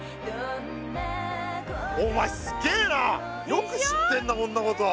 よく知ってんなこんなこと。